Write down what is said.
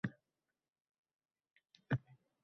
Hatto hayotga boʻlgan qiziqishlari ham ortgan